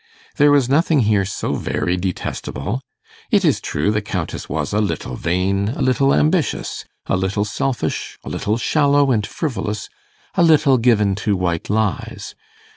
There was nothing here so very detestable. It is true, the Countess was a little vain, a little ambitious, a little selfish, a little shallow and frivolous, a little given to white lies.